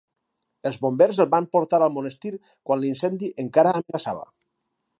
Els bombers el van portar al monestir quan l'incendi encara amenaçava.